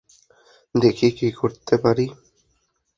দেখি কী করতে পারি।